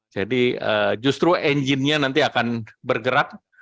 jadi justru enjinnya nanti akan bergerak